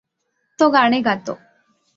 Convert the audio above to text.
तो गाणे गातो.